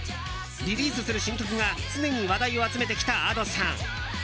リリースする新曲が常に話題を集めてきたＡｄｏさん。